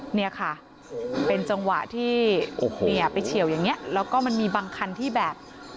เนี่ยค่ะเป็นจังหวะที่เนี่ยไปเฉียวอย่างนี้แล้วก็มันมีบางคันที่แบบ